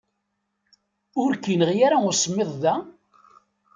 Ur k-yenɣi ara usemmiḍ da?